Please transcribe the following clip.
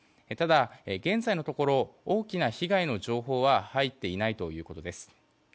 ただ、現在のところ大きな被害の情報は入っていないということです。